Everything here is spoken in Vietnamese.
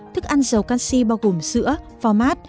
thức ăn dầu canxi bao gồm sữa pho mát